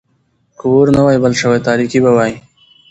که اور نه وای بل شوی، تاريکي به وای.